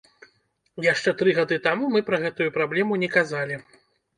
Яшчэ тры гады таму мы пра гэтую праблему не казалі.